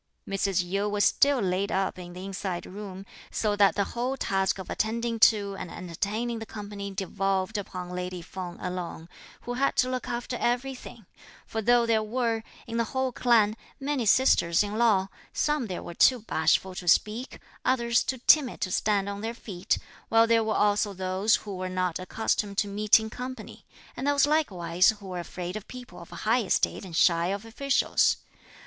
Mrs. Yu was still laid up in the inside room, so that the whole task of attending to and entertaining the company devolved upon lady Feng alone, who had to look after everything; for though there were, in the whole clan, many sisters in law, some there were too bashful to speak, others too timid to stand on their feet; while there were also those who were not accustomed to meeting company; and those likewise who were afraid of people of high estate and shy of officials.